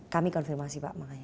kami konfirmasi pak